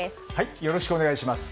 よろしくお願いします。